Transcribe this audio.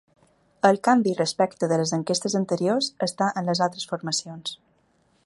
El canvi respecte de les enquestes anteriors està en les altres formacions.